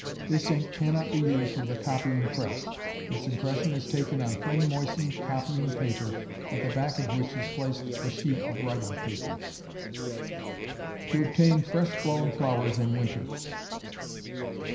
This ink cannot be used with a copying press. Its impression is taken on thin moistened copying paper, at the back of which is placed a sheet of writing paper. _To Obtain Fresh Blown Flowers in Winter.